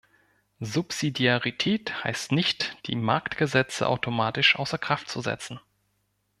Subsidiarität heißt nicht, die Marktgesetze automatisch außer Kraft zu setzen.